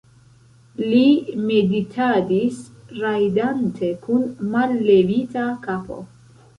li meditadis, rajdante kun mallevita kapo.